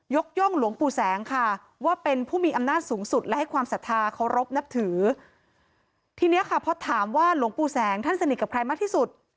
ย่องหลวงปู่แสงค่ะว่าเป็นผู้มีอำนาจสูงสุดและให้ความศรัทธาเคารพนับถือทีนี้ค่ะพอถามว่าหลวงปู่แสงท่านสนิทกับใครมากที่สุด